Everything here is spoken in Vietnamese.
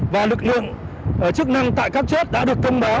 và lực lượng chức năng tại các chốt đã được thông báo